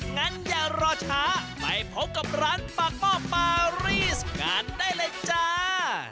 งั้นอย่ารอช้าไปพบกับร้านปากหม้อปารีสกันได้เลยจ้า